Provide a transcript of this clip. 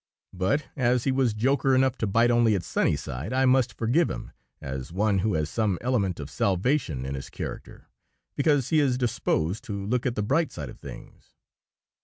But as he was joker enough to bite only its sunny side, I must forgive him, as one who has some element of salvation in his character, because he is disposed to look at the bright side of things.